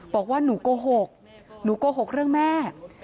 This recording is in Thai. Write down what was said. บอกว่าหนูโกหกหนูโกหกเรื่องแม่